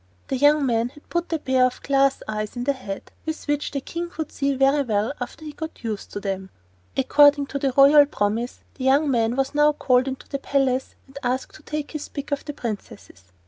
The young man had put a pair of glass eyes in the head, with which the King could see very well after he got used to them. According to the royal promise, the young man was now called into the palace and asked to take his pick of the princesses.